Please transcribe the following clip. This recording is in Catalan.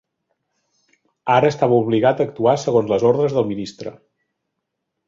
Ara estava obligat a actuar segons les ordres del ministre.